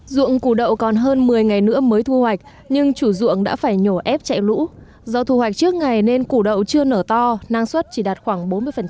dụng củ đậu còn hơn một mươi ngày nữa mới thu hoạch nhưng chủ dụng đã phải nhổ ép chạy lũ do thu hoạch trước ngày nên củ đậu chưa nở to năng suất chỉ đạt khoảng bốn mươi